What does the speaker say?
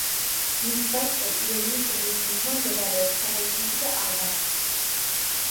მის გასწვრივ, იონიის ზღის მიღმა, მდებარეობს საბერძნეთი და ალბანეთი.